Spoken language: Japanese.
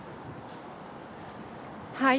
はい。